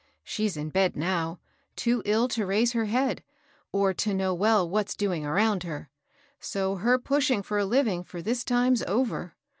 She's in bed now, too ill to raise her head, or to know well what's doing around her; so her pushing for a living for this time's over.